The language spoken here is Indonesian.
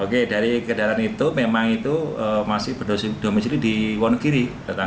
oke dari kendaraan itu memang itu masih berdosi domisili di wonokiri